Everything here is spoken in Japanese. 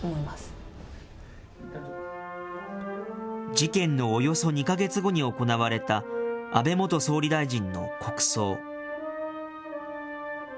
事件のおよそ２か月後に行われた安倍元総理大臣の国葬。